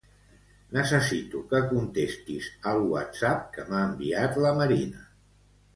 Necessito que contestis al whatsapp que m'ha enviat la Marina.